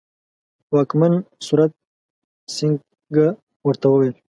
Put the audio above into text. واکمن سورت سینګه ورته وویل.